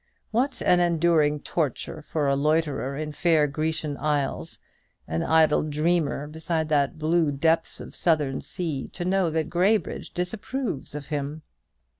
What an enduring torture for a loiterer in fair Grecian isles an idle dreamer beside the blue depths of a Southern sea to know that Graybridge disapproves of him!"